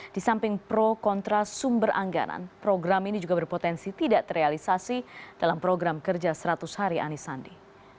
di samping pro kontra sumber anggaran program ini juga berpotensi tidak terrealisasi dalam program kerja seratus hari anies sandi